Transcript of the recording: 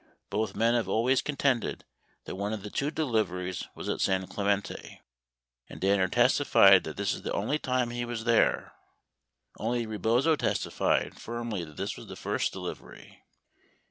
Both men have always contended that one of the two deliveries was at San Clemente,, and Danner 946 testified this is the only time he was there. Only Rebozo testified firmly that this was the first delivery.